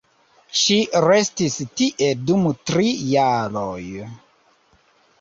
Ŝi restis tie dum tri jaroj.